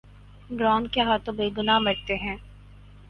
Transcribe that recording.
Drone کے ہاتھوں بے گناہ مرتے ہیں۔